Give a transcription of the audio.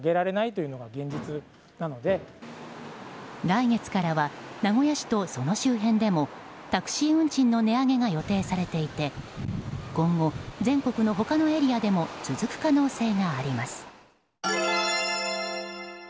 来月からは名古屋市とその周辺でもタクシー運賃の値上げが予定されていて今後、全国の他のエリアでも続く可能性があります。